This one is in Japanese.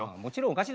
「もちろん」